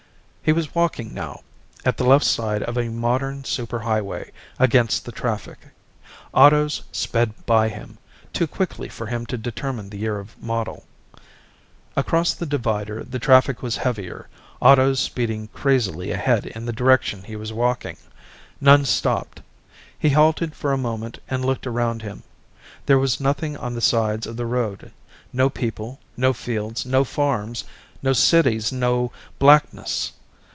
He was walking now, at the left side of a modern super highway, against the traffic. Autos sped by him, too quickly for him to determine the year of model. Across the divider the traffic was heavier, autos speeding crazily ahead in the direction he was walking; none stopped. He halted for a moment and looked around him. There was nothing on the sides of the road: no people, no fields, no farms, no cities, no blackness.